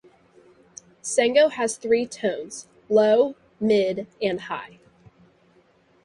Sango has three tones: low, mid, and high.